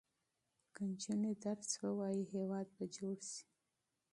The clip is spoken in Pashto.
که نجونې درس ووايي، هېواد به جوړ شي.